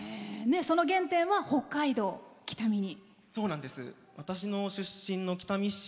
その原点は北海道北見に。